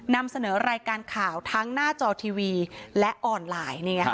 นำเสนอรายการข่าวทั้งหน้าจอทีวีและออนไลน์